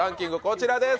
こちらです